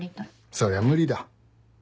そりゃ無理だ。